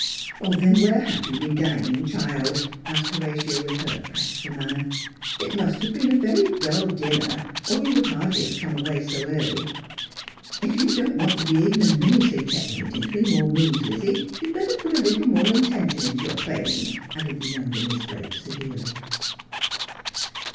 ' Then where have you been dining, child 1 ' asked Horatia, with her practical manner. ' It must have been a very dull dinner or you would hardly have come away so early. If you don't want to be ignominiously checkmated in three more moves, Lizzie, you had better put a little more intention into your play ing,' added the younger Miss Blake severely.